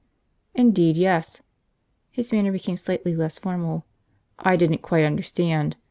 "Indeed, yes." His manner became slightly less formal. "I didn't quite understand.